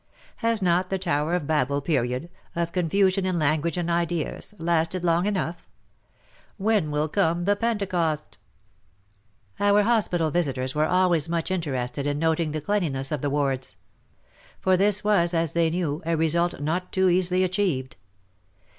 Has not the Tower of Babel period — of confusion in language and ideas — lasted long enough ? When will come the Pentecost ? Our hospital visitors were always much inter ested in noting the cleanliness of the wards. For this was, as they knew, a result not too easily achieved.